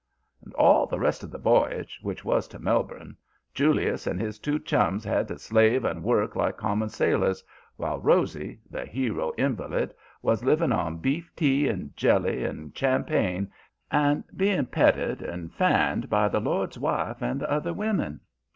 "And all the rest of the voyage, which was to Melbourne, Julius and his two chums had to slave and work like common sailors, while Rosy, the hero invalid, was living on beef tea and jelly and champagne, and being petted and fanned by the lord's wife and the other women.